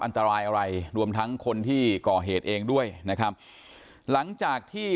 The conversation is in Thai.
อันตรายอะไรรวมทั้งคนที่ก่อเหตุเองด้วยนะครับหลังจากที่